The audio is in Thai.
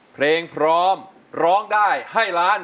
เพลงพร้อมร้องได้ให้ล้าน